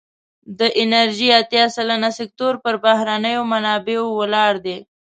د انرژی اتیا سلنه سکتور پر بهرنیو منابعو ولاړ دی.